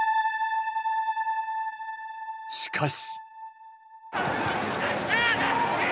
しかし。